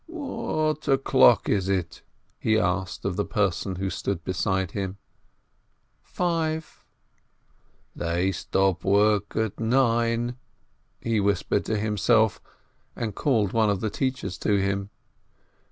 "What o'clock is it?" he asked of the person who stood beside him. "Five." "They stop work at nine," he whispered to himself, and called one of the teachers to him.